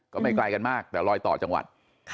ก็ไม่ไกลกันมากแต่ลอยต่อจังหวัด